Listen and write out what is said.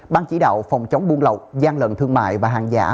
ban chỉ đạo phòng chống buôn lậu gian lận thương mại và hàng giả